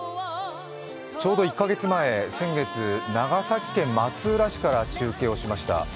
ちょうど１か月前先月、長崎県松浦市から中継をしました。